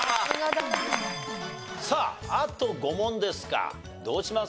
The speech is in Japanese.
さああと５問ですがどうします？